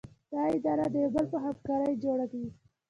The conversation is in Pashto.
دا اداره د یو بل په همکارۍ جوړه وي.